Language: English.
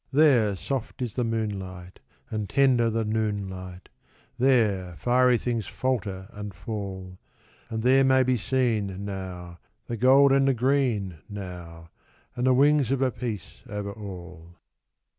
There soft is the moonlight, and tender the noon light; There fiery things falter and fall; And there may be seen, now, the gold and the green, now, And the wings of a peace over all.